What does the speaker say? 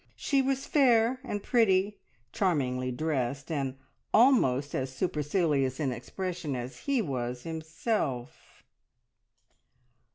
She was fair and pretty, charmingly dressed, and almost as supercilious in expression as he was himself.